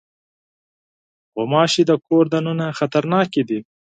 غوماشې د کور دننه خطرناکې دي.